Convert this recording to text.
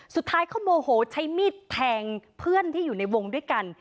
สุดท้ายเขาโมโหใช้มีดแทงเพื่อนที่อยู่ในวงด้วยกัน